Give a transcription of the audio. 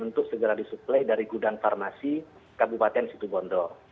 untuk segera disuplai dari gudang farmasi kabupaten situbondo